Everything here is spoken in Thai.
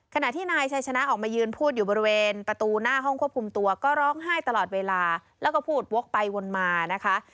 ขณะที่นายชัยชนะออกมายืนพูดอยู่บริเวณประตูหน้าห้องควบคุมตัวก็ร้องไห้ตลอดเวลาแล้วก็พูดวกไปวนมานะคะ